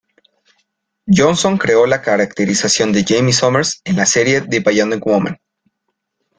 Johnson creó la caracterización de Jaime Sommers en la serie "The Bionic Woman".